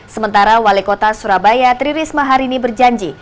sementara wali kota surabaya tririsma hari ini berjanji